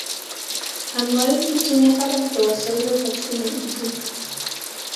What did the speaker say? الماري کې ځینې خلک د وسایلو بکسونه ایږدي